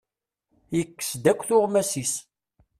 Yekkes-d akk tuɣmas-is.